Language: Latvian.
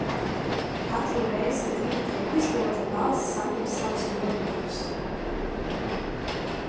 Katru reizi, kad viņa tiek izdota, valsts saņem savus nodokļus.